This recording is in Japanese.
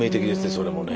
それもね。